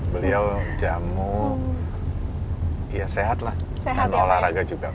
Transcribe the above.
beliau jamu ya sehat lah tanpa olahraga juga